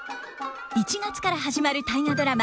１月から始まる大河ドラマ